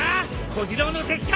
小次郎の手下！